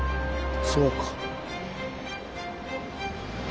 そうか。